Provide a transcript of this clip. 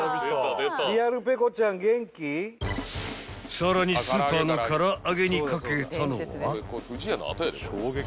［さらにスーパーの唐揚げに掛けたのは］